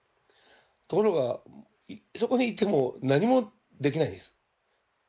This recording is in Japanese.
ところがそこに行っても何もできないです。